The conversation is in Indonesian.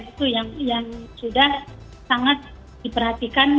itu yang sudah sangat diperhatikan